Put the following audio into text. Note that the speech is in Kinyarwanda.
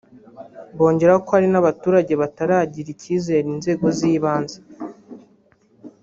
bongeraho ko hari n’abaturage bataragirira icyizere inzego z’ibanze